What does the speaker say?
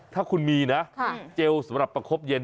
ถ้าคุณมีนะเจลสำหรับประคบเย็น